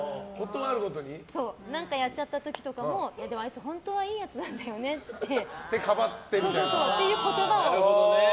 何かやっちゃった時とかもあいつ本当はいいやつなんだよねっていうかばってみたいな。